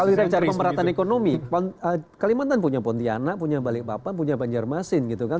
kalau kita bicara pemerataan ekonomi kalimantan punya pontianak punya balikpapan punya banjarmasin gitu kan